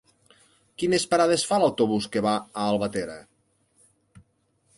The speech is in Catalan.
Quines parades fa l'autobús que va a Albatera?